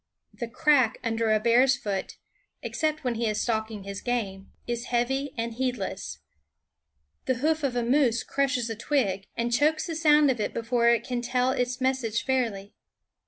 The crack under a bear's foot, except when he is stalking his game, is heavy and heedless. The hoof of a moose crushes a twig, and chokes the sound of it THE WOODS before it can tell its message fairly.